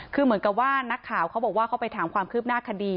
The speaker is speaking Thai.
คือเหมือนกับว่านักข่าวเขาบอกว่าเขาไปถามความคืบหน้าคดี